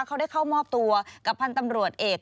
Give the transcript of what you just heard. เขาได้เข้ามอบตัวกับพันธ์ตำรวจเอก